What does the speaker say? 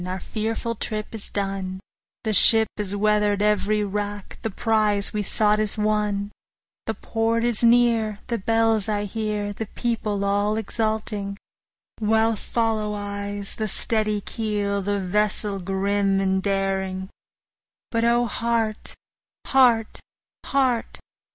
our fearful trip is done, The ship has weather'd every rack, the prize we sought is won, The port is near, the bells I hear, the people all exulting, While follow eyes the steady keel, the vessel grim and daring; But O heart! heart! heart!